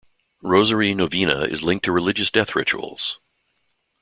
Rosary Novena is linked to religious death rituals.